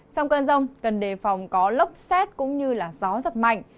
trong cơn rông cần đề phòng có lốc xét cũng như gió giật mạnh